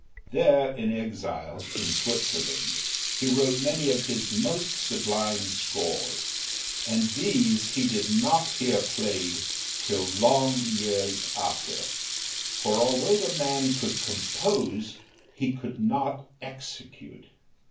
There, in exile in Switzerland he wrote many of his most sublime scores, and these he did not hear played till long years after, for although the man could compose, he could not execute.